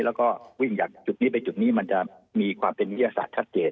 แล้วก็วิ่งจากจุดนี้ไปจุดนี้มันจะมีความเป็นวิทยาศาสตร์ชัดเจน